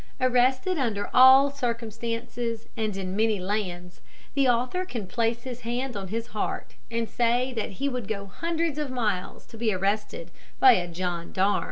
Arrested under all circumstances and in many lands, the author can place his hand on his heart and say that he would go hundreds of miles to be arrested by a John Darm.